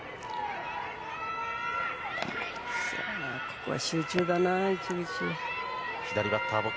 ここは集中だな。